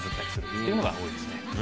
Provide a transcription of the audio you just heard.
っていうのが多いですね。